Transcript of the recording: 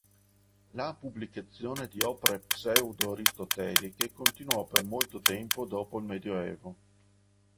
La pubblicazione di opere pseudo-aristoteliche continuò per molto tempo dopo il Medioevo.